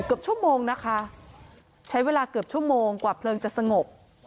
เกือบชั่วโมงนะคะใช้เวลาเกือบชั่วโมงกว่าเพลิงจะสงบ